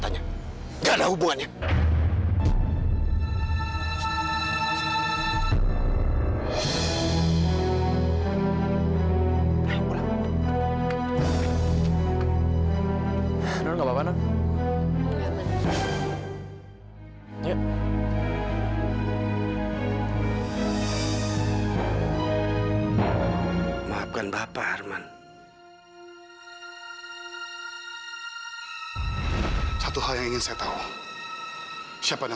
ini kan siapa tante ahindi